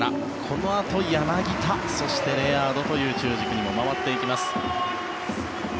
このあと、柳田そしてレアードという中軸にも回っていきます。